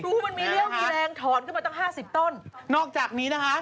อู้วมันมีเรื่องแรงถอนขึ้นมาตั้ง๕๐ต้น